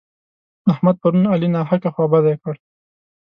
احمد پرون علي ناحقه خوابدی کړ.